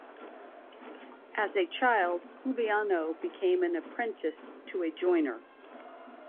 As a child, Giuliano became an apprentice to a joiner.